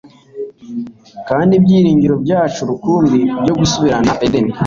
Kandi ibyiringiro byacu rukumbi byo gusubirana Edeni